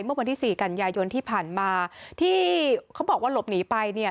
เมื่อวันที่สี่กันยายนที่ผ่านมาที่เขาบอกว่าหลบหนีไปเนี่ย